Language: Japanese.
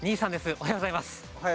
おはようございます。